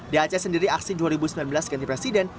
di aceh sendiri aksi dua ribu sembilan belas ganti presiden